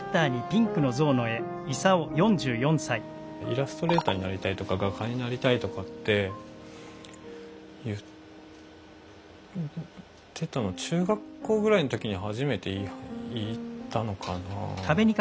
イラストレーターになりたいとか画家になりたいとかって言ってたの中学校ぐらいの時に初めて言ったのかな？